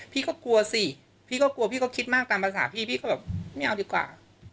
พี่ก็กลัวสิพี่ก็กลัวพี่ก็คิดมากตามภาษาพี่พี่ก็แบบไม่เอาดีกว่า